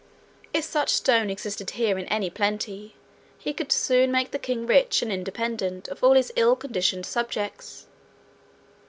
If such stone existed here in any plenty, he could soon make the king rich and independent of his ill conditioned subjects.